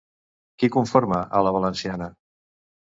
Qui conforma A la Valenciana?